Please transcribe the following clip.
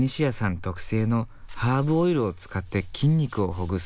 特製のハーブオイルを使って筋肉をほぐす。